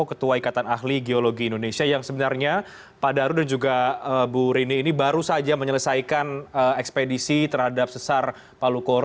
ketua ikatan ahli geologi indonesia yang sebenarnya pak daru dan juga bu rini ini baru saja menyelesaikan ekspedisi terhadap sesar palu koro